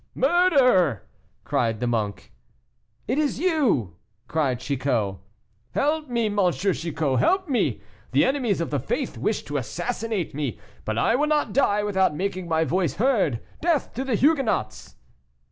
"Murder!" cried the monk. "It is you!" cried Chicot. "Help me, M. Chicot, help me! The enemies of the faith wish to assassinate me, but I will not die without making my voice heard. Death to the Huguenots!"